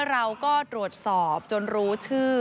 เราก็ตรวจสอบจนรู้ชื่อ